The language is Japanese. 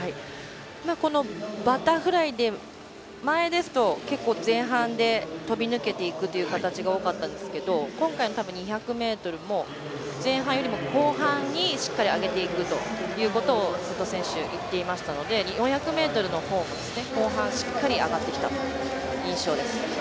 バタフライで前ですと結構前半で飛び抜けていくという形が多かったんですけど今回の２００ｍも前半よりも後半にしっかり上げていくということを瀬戸選手、言っていましたので４００ｍのほうの後半、しっかり上がってきたという印象ですね。